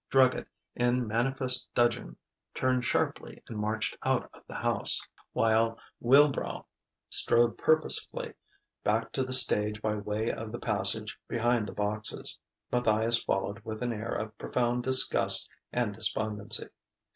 Druggett, in manifest dudgeon, turned sharply and marched out of the house, while Wilbrow strode purposefully back to the stage by way of the passage behind the boxes, Matthias following with an air of profound disgust and despondency.